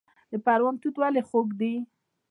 د پروان توت ولې خوږ دي؟